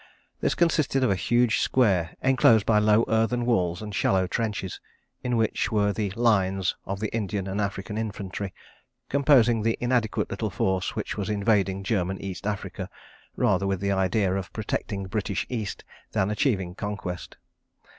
This consisted of a huge square, enclosed by low earthen walls and shallow trenches, in which were the "lines" of the Indian and African infantry, composing the inadequate little force which was invading German East Africa, rather with the idea of protecting British East than achieving conquest.